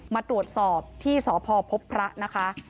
มาตรวจสอบที่สพพบพระนะคะ